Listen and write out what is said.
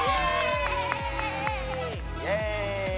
イエーイ！